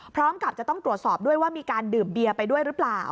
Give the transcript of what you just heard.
พร้อมกับจะต้องตรวจสอบด้วยว่ามีการดื่มเบียร์ไปด้วยหรือเปล่า